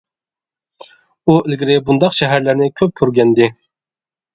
ئۇ ئىلگىرى بۇنداق شەھەرلەرنى كۆپ كۆرگەنىدى.